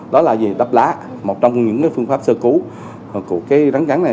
đó là đắp lá một trong những phương pháp sơ cứu của rắn cắn này